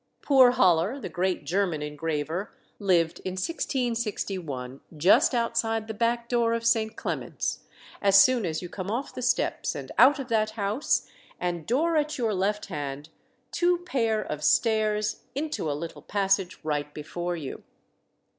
Poor Hollar, the great German engraver, lived in 1661 just outside the back door of St. Clement's, "as soon as you come off the steps, and out of that house and dore at your left hand, two payre of stairs, into a little passage right before you."